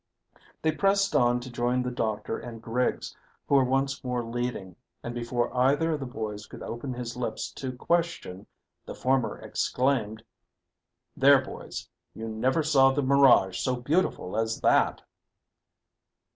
They pressed on to join the doctor and Griggs, who were once more leading, and before either of the boys could open his lips to question, the former exclaimed "There, boys, you never saw the mirage so beautiful as that."